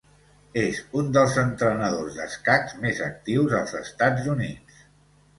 És un dels entrenadors d'escacs més actius als Estats Units.